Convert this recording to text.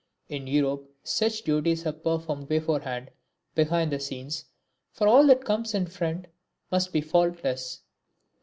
In Europe such duties are performed beforehand, behind the scenes, for all that comes in front must be faultless.